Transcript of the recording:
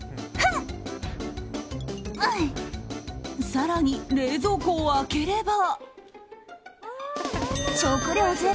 更に、冷蔵庫を開ければ。